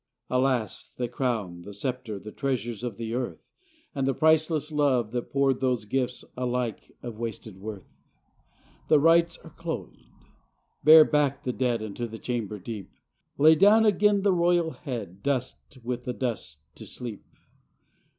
Alas! the crown, the scepter, The treasures of the earth, And the priceless love that poured those gifts, Alike of wasted worth ! The rites are closed. — Bear back the dead Unto the chamber deep! Lay down again the royal head, Dust with the dust to sleep!